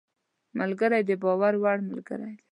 ملګری د باور وړ ملګری دی